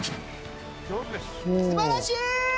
すばらしい。